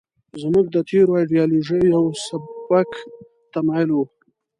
زموږ د تېرو ایډیالوژیو یو سپک تمایل و.